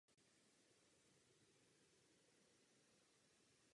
Tak začne jejich vzájemný vztah.